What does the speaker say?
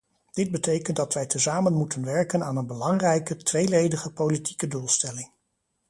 Dit betekent dat wij tezamen moeten werken aan een belangrijke, tweeledige politieke doelstelling.